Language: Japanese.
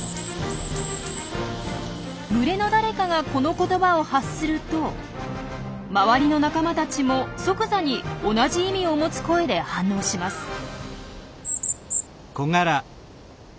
群れの誰かがこの言葉を発すると周りの仲間たちも即座に同じ意味を持つ声で反応します。